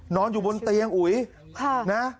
นอนอยู่บนเตียงอุ๋ยนะ